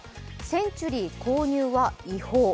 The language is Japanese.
センチュリー購入は違法。